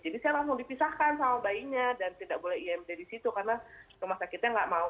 jadi saya langsung dipisahkan sama bayinya dan tidak boleh imd di situ karena rumah sakitnya nggak mau